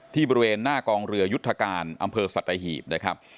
ที่บริเวณหน้ากองเรือยุทธการอำเภอสัตยาหีบ